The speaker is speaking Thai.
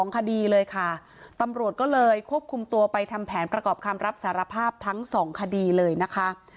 คดีเลยค่ะตำรวจก็เลยควบคุมตัวไปทำแผนประกอบคำรับสารภาพทั้งสองคดีเลยนะคะ